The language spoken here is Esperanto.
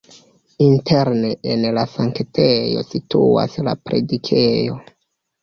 Interne en la sanktejo situas la predikejo.